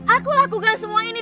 aku lakukan semua ini